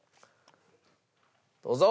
どうぞ。